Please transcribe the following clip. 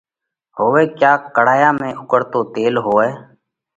هوئہ ڪا ڪڙهايا ۾ اُوڪۯتو تيل هوئہ۔